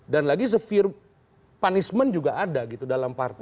dan lagi severe punishment juga ada gitu dalam partai